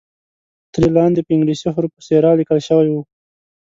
ترې لاندې په انګلیسي حروفو سیرا لیکل شوی وو.